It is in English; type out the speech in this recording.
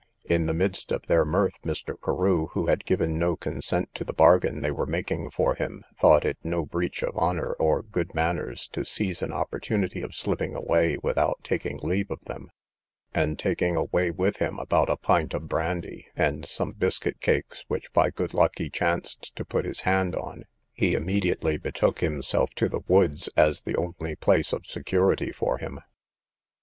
In the midst of their mirth, Mr. Carew, who had given no consent to the bargain they were making for him, thought it no breach of honour or good manners to seize an opportunity of slipping away without taking leave of them; and taking away with him about a pint of brandy and some biscuit cakes, which by good luck he chanced to put his hand on, he immediately betook himself to the woods as the only place of security for him.